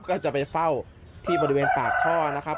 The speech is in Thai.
ก็จะไปเฝ้าที่บริเวณปากท่อนะครับ